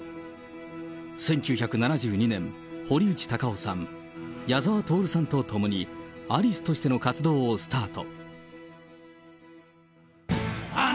１９７２年、堀内孝雄さん、矢沢透さんと共にアリスとしての活動をスタート。